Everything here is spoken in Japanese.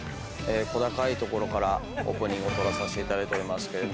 小高い所からオープニングを撮らさせていただいてますけど。